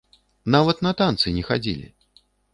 Нават на танцы не хадзілі!